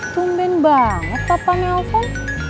tumben banget papa nelfon